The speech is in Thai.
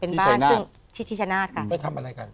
ก็ทำอะไรกัน